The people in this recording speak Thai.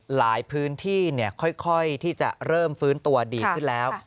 หลายพื้นที่ค่อยที่จะเริ่มฟื้นตัวดีขึ้นแล้ว